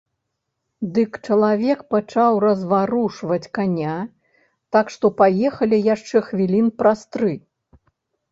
Дык чалавек пачаў разварушваць каня, так што паехалі яшчэ хвілін праз тры.